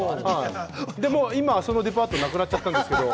でも今、そのデパートはなくなっちゃったんですけれども。